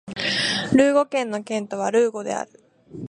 ルーゴ県の県都はルーゴである